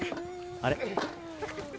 あれ？